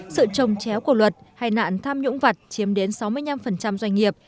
sự trồng chéo của luật hay nạn tham nhũng vật chiếm đến sáu mươi năm doanh nghiệp